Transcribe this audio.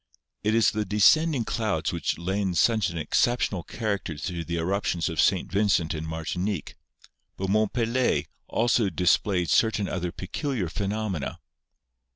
It is the descending clouds which lend such an excep tional character to the eruptions of St. Vincent and Mar tinique, but Mont Pelee also displayed certain other peculiar phenomena.